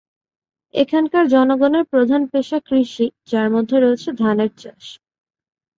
এখানকার জনগণের প্রধান পেশা কৃষি, যার মধ্যে রয়েছে ধানের চাষ।